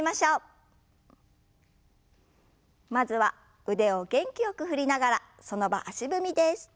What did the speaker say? まずは腕を元気よく振りながらその場足踏みです。